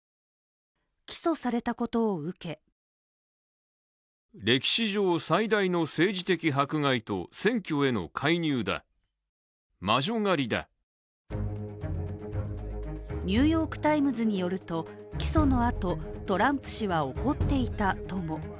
起訴されたことを受け「ニューヨーク・タイムズ」によると起訴のあと、トランプ氏は起こっていたとも。